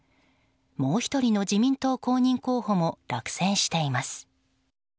もう１人の自民党公認候補も落選しています。